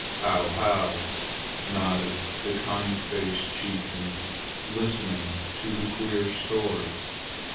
"How! how!" nodded the kind faced chieftain, listening to the queer story.